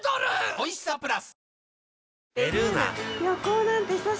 おいしさプラス